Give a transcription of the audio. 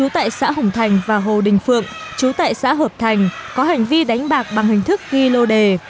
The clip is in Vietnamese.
tại xã hồng thành và hồ đình phượng chú tại xã hợp thành có hành vi đánh bạc bằng hình thức ghi lô đề